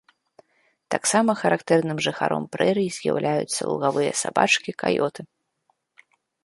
Таксама характэрным жыхаром прэрый з'яўляюцца лугавыя сабачкі, каёты.